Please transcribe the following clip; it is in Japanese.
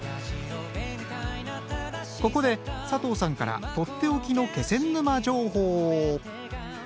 ここで佐藤さんから取って置きの気仙沼情報！